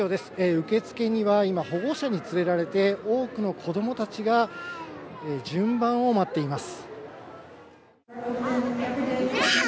受け付けには、今、保護者に連れられて、多くの子どもたちが順番を待っています。